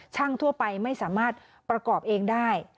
ทั่วไปไม่สามารถประกอบเองได้